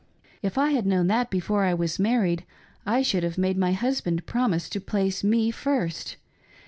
If I had known that before I was married, I should have made my husband promise to place me first.